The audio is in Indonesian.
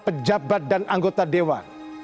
para pejabat dan anggota dewa